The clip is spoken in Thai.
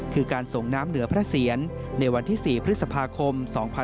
คือการส่งน้ำเหนือพระเสียรในวันที่๔พฤษภาคม๒๕๖๒